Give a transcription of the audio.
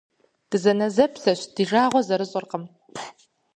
Дызэнэзэпсэщ, ди жагъуэ зэрыщӀыркъым.